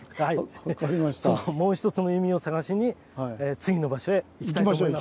そのもう一つの意味を探しに次の場所へ行きたいと思います。